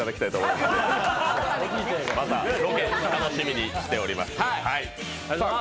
またロケ、楽しみにしております。